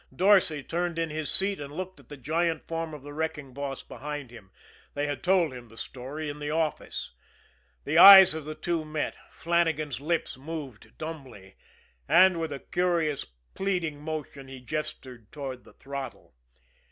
Dorsay turned in his seat and looked at the giant form of the wrecking boss behind him they had told him the story in the office. The eyes of the two men met. Flannagan's lips moved dumbly; and, with a curious, pleading motion, he gestured toward the throttle.